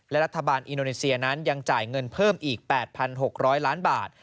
และรัฐบาลอินโดนีเซียนั้นยังจ่ายเงินเพิ่มอีก๘๖๐๐ล้านบาท